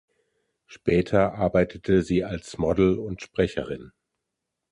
Später arbeitete sie als Model und Sprecherin.